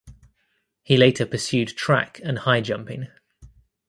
He later pursued track and high jumping.